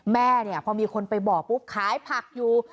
แม่เนี่ยพอมีคนไปบอกปุ๊บขายผักอยู่